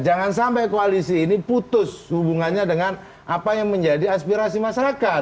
jangan sampai koalisi ini putus hubungannya dengan apa yang menjadi aspirasi masyarakat